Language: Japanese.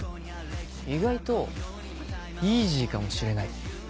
意外とイージーかもしれない。